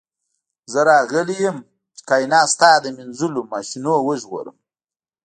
زه راغلی یم چې کائنات ستا له مینځلو ماشینونو وژغورم